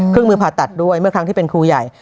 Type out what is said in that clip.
เครื่องมือผ่าตัดด้วยเมื่อครั้งที่เป็นครูใหญ่